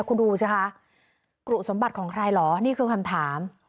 คุณดูสิคะกรุสมบัติของใครเหรอนี่คือคำถาม